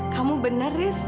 kamu benar haris